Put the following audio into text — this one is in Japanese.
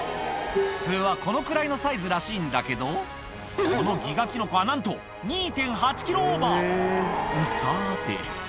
普通はこのくらいのサイズらしいんだけど、このギガキノコはなんと２．８キロオーバー。